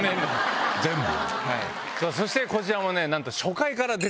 そしてこちらもね。